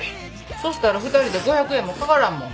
そしたら２人で５００円もかからんもん。